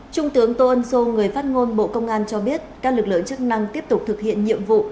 trung tướng tô ân sô người phát ngôn bộ công an cho biết các lực lượng chức năng tiếp tục thực hiện nhiệm vụ